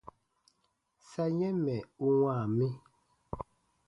Sa yɛ̃ mɛ̀ u wãa mi.